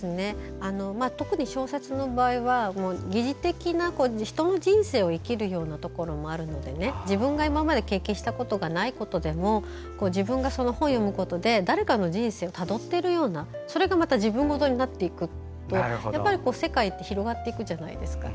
特に小説の場合は擬似的な人の人生を生きるようなところもあるので自分が今まで経験したことがないことでも自分がその本を読むことで誰かの人生をたどっているようなそれがまた自分事になっていくと、世界って広がっていくじゃないですか。